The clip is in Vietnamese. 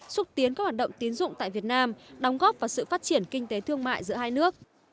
xúc tiến các hoạt động tiến dụng tại việt nam đóng góp vào sự phát triển kinh tế thương mại giữa hai nước